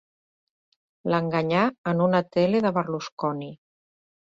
L'enganyà en una tele de Berlusconi.